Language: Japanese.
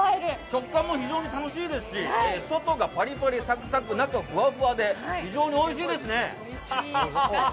食感も非常に楽しいですし外がパリパリサクサク中がふわふわで非常においしいですね。